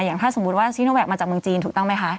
อย่างถ้าสมมุติว่าซีโนแวคมาจากเมืองจีนถูกต้องไหมคะ